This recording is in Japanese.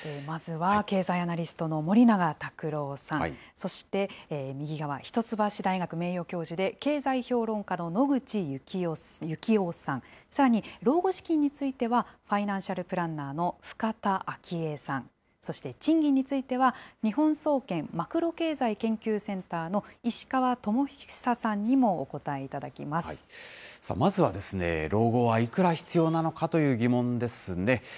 まずは経済アナリストの森永卓郎さん、そして、右側、一橋大学名誉教授で、経済評論家の野口悠紀雄さん、さらに、老後資金については、ファイナンシャルプランナーの深田晶恵さん、そして、賃金については、日本総研マクロ経済研究センターの石川智久さんにもお答えいただまずは、老後はいくら必要なのかという疑問ですね。